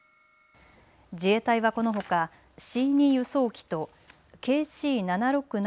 自衛隊は、このほかＣ２輸送機とＫＣ７６７